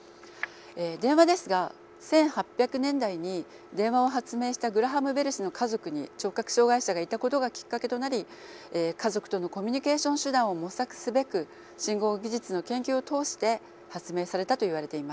電話ですが１８００年代に電話を発明したグラハム・ベル氏の家族に聴覚障害者がいたことがきっかけとなり家族とのコミュニケーション手段を模索すべく信号技術の研究を通して発明されたといわれています。